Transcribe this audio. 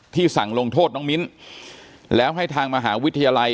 สั่งลงโทษน้องมิ้นแล้วให้ทางมหาวิทยาลัย